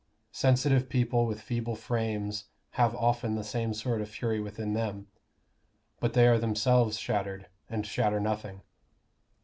Sensitive people with feeble frames have often the same sort of fury within them; but they are themselves shattered, and shatter nothing.